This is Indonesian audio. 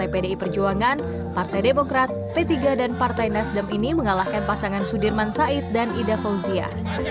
pdi perjuangan partai demokrat p tiga dan partai nasdem ini mengalahkan pasangan sudirman said dan ida fauzia